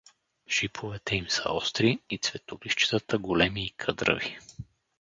Шиповете им са остри и цветолистчетата големи и къдрави.